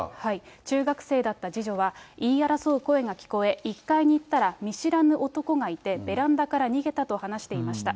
中学生だった次女は言い争う声が聞こえ、１階に行ったら、見知らぬ男がいて、ベランダから逃げたと話しました。